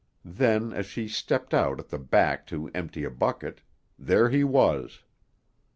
Then, as she stepped out at the back to empty a bucket, there he was!